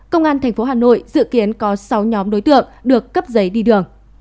công an tp hà nội dự kiến có sáu nhóm đối tượng được cấp giấy đi đường